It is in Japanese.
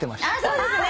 そうですね！